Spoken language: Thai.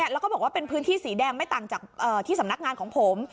แล้วก็บอกว่าเป็นพื้นที่สีแดงไม่ต่างจากที่สำนักงานของผม